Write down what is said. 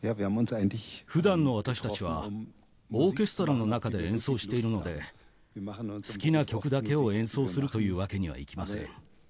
普段の私たちはオーケストラの中で演奏しているので好きな曲だけを演奏するというわけにはいきません。